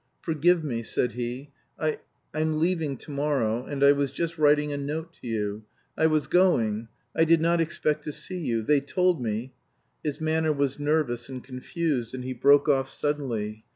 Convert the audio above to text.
"Forgive me," said he, "I I'm leaving to morrow, and I was just writing a note to you. I was going I did not expect to see you they told me " His manner was nervous and confused and he broke off suddenly.